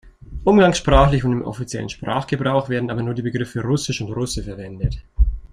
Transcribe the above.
Umgangssprachlich und im offiziellen Sprachgebrauch werden aber nur die Begriffe "russisch" und "Russe" verwendet.